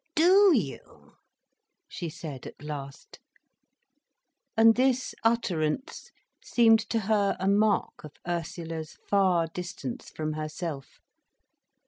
"Do you?" she said at last. And this utterance seemed to her a mark of Ursula's far distance from herself.